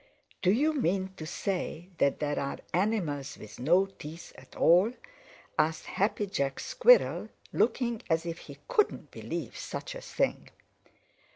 "Do you men to say that there are animals with no teeth at all?" asked Happy Jack Squirrel, looking as if he couldn't believe such a thing.